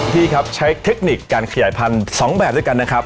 พี่ครับใช้เทคนิคการขยายพันธุ์๒แบบด้วยกันนะครับ